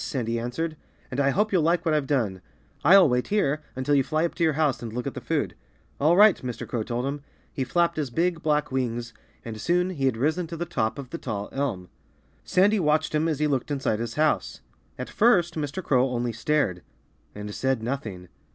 Sandy answered. "And I hope you'll like what I've done. I'll wait here until you fly up to your house and look at the food." "All right!" Mr. Crow told him. He flapped his big, black wings. And soon he had risen to the top of the tall elm. Sandy watched him as he looked inside his house. At first Mr. Crow only stared and said nothing.